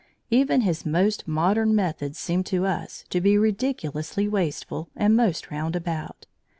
Even his most modern methods seem to us to be ridiculously wasteful and most roundabout.